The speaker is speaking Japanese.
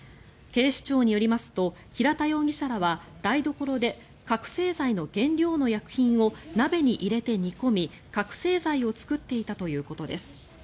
警視庁によりますと平田容疑者らは台所で覚醒剤の原料の薬品を鍋に入れて煮込み、覚醒剤を作っていたということです。